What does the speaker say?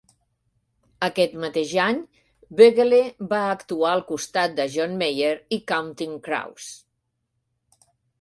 Aquest mateix any, Voegele va actuar al costat de John Mayer i Counting Crows.